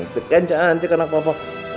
bekain cantik anak papa